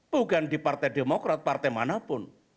bukan di partai demokrat partai manapun